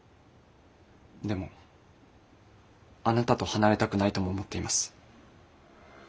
でもあなたと離れたくないとも思っています。